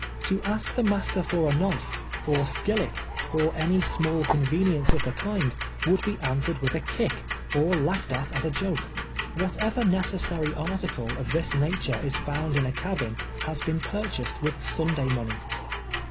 To ask the master for a knife, or skillet, or any small convenience of the kind, would be answered with a kick, or laugh ed at as a joke. Whatever necessary article of this nature is found in a cabin has been purchased with Sunday money.